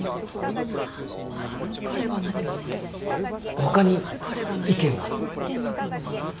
他に意見は？